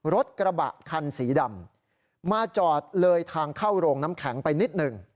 รถกระบะคันสีดำมาจอดเลยทางเข้าโรงน้ำแข็งไปนิดหนึ่ง